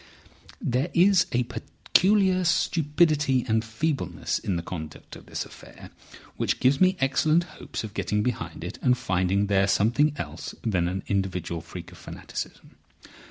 "There is a peculiar stupidity and feebleness in the conduct of this affair which gives me excellent hopes of getting behind it and finding there something else than an individual freak of fanaticism.